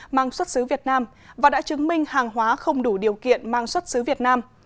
mang xuất xứ việt nam và đã chứng minh hàng hóa không đủ điều kiện mang xuất xứ việt nam